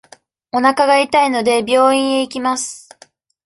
おなかが痛いので、病院へ行きます。